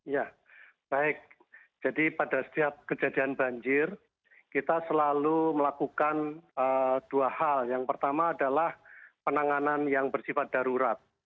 ya baik jadi pada setiap kejadian banjir kita selalu melakukan dua hal yang pertama adalah penanganan yang bersifat darurat